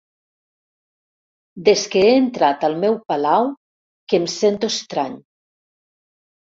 Des que he entrat al meu palau que em sento estrany.